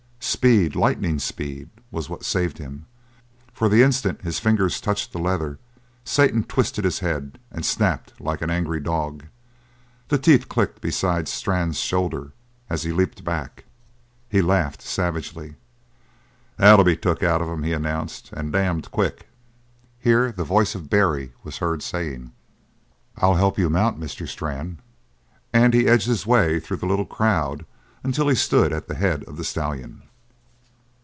Speed, lightning speed, was what saved him, for the instant his fingers touched the leather Satan twisted his head and snapped like an angry dog. The teeth clicked beside Strann's shoulder as he leaped back. He laughed savagely. "That'll be took out of him," he announced, "and damned quick!" Here the voice of Barry was heard, saying: "I'll help you mount, Mr. Strann." And he edged his way through the little crowd until he stood at the head of the stallion.